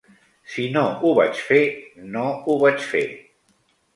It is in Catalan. Si no ho vaig fer, no ho vaig fer.